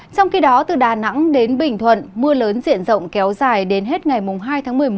trong khi đó từ đà nẵng đến bình thuận mưa lớn diện rộng kéo dài đến hết ngày hai tháng một mươi một